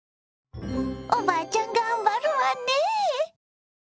おばあちゃん頑張るわね！